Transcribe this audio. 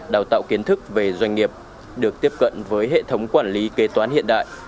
đào tạo kiến thức về doanh nghiệp được tiếp cận với hệ thống quản lý kế toán hiện đại